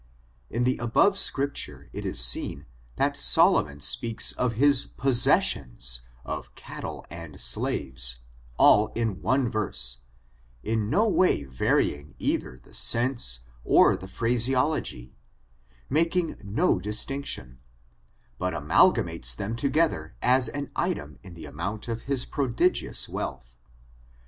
In the above scripture it is seen that Solomon speaks of his possessions of cattle and slaves, all in one verse, in no way varying either the sense or the phraseology, making no distinction, but amalgamates them together as an item in the amount of his pro digious wealth.